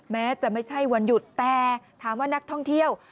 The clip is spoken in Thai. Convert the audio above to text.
แม้จะไม่ใช่วันหยุดแต่ถามว่านักท่องเที่ยว